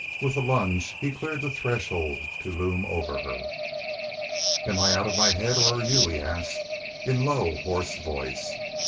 With a lunge he cleared the threshold to loom over her. "Am I out of my haid, or are y'u?" he asked, in low, hoarse voice.